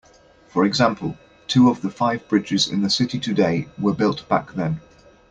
For example, two of the five bridges in the city today were built back then.